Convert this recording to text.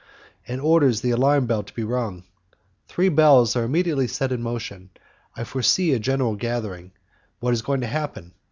and orders the alarm bell to be rung. Three bells are immediately set in motion, I foresee a general gathering: what is going to happen?